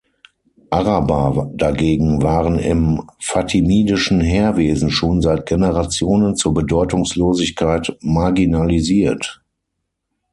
Araber dagegen waren im fatimidischen Heerwesen schon seit Generationen zur Bedeutungslosigkeit marginalisiert.